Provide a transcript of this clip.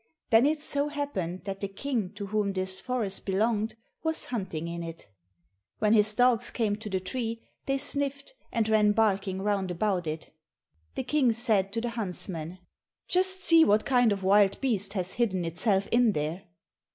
Then it so happened that the King to whom this forest belonged, was hunting in it. When his dogs came to the tree, they sniffed, and ran barking round about it. The King said to the huntsmen, "Just see what kind of wild beast has hidden itself in there."